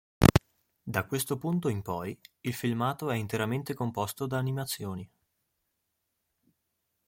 Da questo punto in poi il filmato è interamente composto da animazioni.